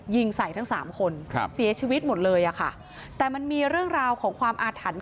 ยิงใส่ทั้งสามคนครับเสียชีวิตหมดเลยอ่ะค่ะแต่มันมีเรื่องราวของความอาถรรพ์